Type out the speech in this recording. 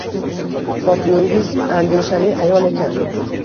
Xotiningiz, andishali ayol ekan